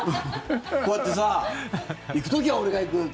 こうやってさ行く時は俺が行く！